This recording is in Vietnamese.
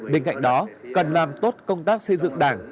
bên cạnh đó cần làm tốt công tác xây dựng đảng